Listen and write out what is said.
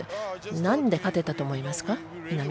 なんで勝てたと思いますか？